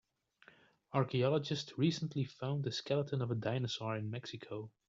Archaeologists recently found the skeleton of a dinosaur in Mexico.